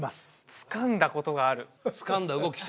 つかんだことがある？